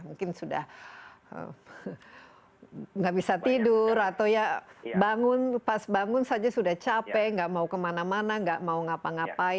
mungkin sudah tidak bisa tidur atau ya bangun pas bangun saja sudah capek tidak mau kemana mana tidak mau apa apa